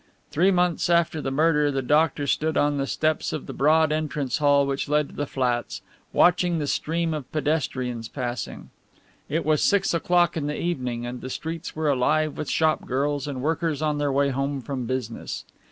Three months after the murder the doctor stood on the steps of the broad entrance hall which led to the flats, watching the stream of pedestrians passing. It was six o'clock in the evening and the streets were alive with shop girls and workers on their way home from business.